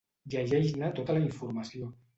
Llegeix-ne tota la informació!